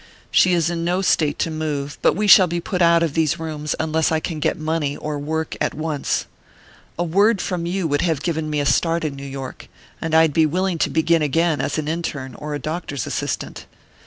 She is in no state to move, but we shall be put out of these rooms unless I can get money or work at once. A word from you would have given me a start in New York and I'd be willing to begin again as an interne or a doctor's assistant.